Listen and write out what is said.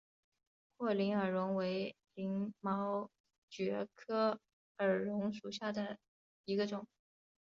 阔鳞耳蕨为鳞毛蕨科耳蕨属下的一个种。